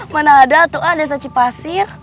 mana ada tuh ah desa cipasir